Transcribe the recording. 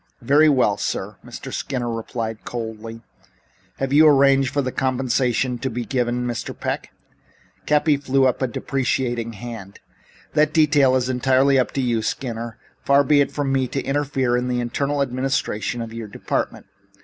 "Very well, sir," Mr. Skinner replied coldly. "Have you arranged the compensation to be given Mr. Peck?" Cappy threw up a deprecating hand. "That detail is entirely up to you, Skinner. Far be it from me to interfere in the internal administration of your department.